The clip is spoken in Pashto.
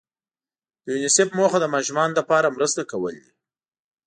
د یونیسف موخه د ماشومانو لپاره مرسته کول دي.